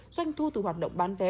doanh thu từ hoạt động bán vé